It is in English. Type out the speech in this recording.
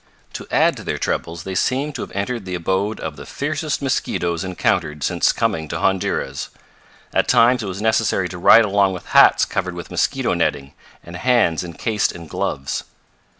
To add to their troubles they seemed to have entered the abode of the fiercest mosquitoes encountered since coming to Honduras. At times it was necessary to ride along with hats covered with mosquito netting, and hands encased in gloves.